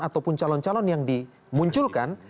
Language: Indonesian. ataupun calon calon yang dimunculkan